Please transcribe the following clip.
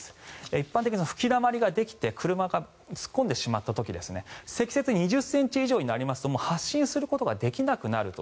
一般的に吹きだまりができて車が突っ込んでしまった時積雪２０ｃｍ以上になりますと発進することができなくなると。